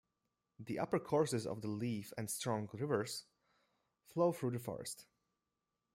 The upper courses of the Leaf and Strong Rivers flow through the forest.